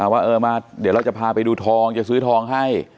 ว่าเดี๋ยวเราจะพาไปดูทองจะซื้อทองให้